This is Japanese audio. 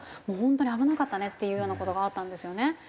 もう本当に危なかったねっていうような事があったんですよね。